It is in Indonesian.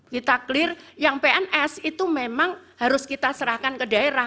kita clear yang pns itu memang harus kita serahkan ke daerah